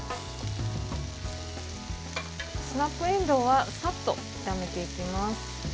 スナップえんどうはさっと炒めていきます。